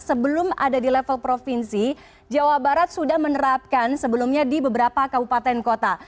sebelum ada di level provinsi jawa barat sudah menerapkan sebelumnya di beberapa kabupaten kota